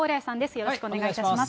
よろしくお願いします。